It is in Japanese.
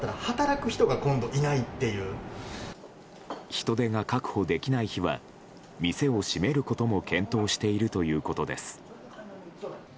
人手が確保できない日は店を閉めることも検討しているということです。